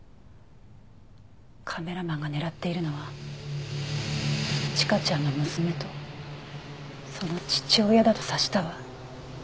カメラマンが狙っているのは千佳ちゃんの娘とその父親だと察したわ。